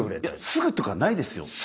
すぐとかないですよ。